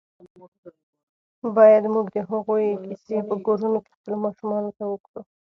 باید موږ د هغوی کیسې په کورونو کې خپلو ماشومانو ته وکړو.